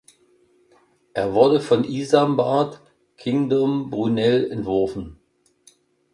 Er wurde von Isambard Kingdom Brunel entworfen.